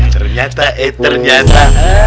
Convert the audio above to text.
ternyata eh ternyata